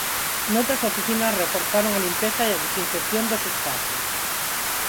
Noutras oficinas reforzaron a limpeza e a desinfección dos espazos.